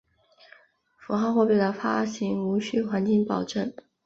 符号货币的发行无须黄金保证。